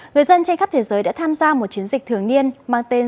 người dân trên khắp thế giới đã tham gia một chiến dịch thường niên mang tên